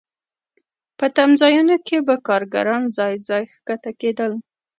په تمځایونو کې به کارګران ځای ځای ښکته کېدل